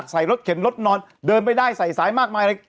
นักใส่รถเข็มรถนอนเดินไปได้ใส่สายมากมายอะไร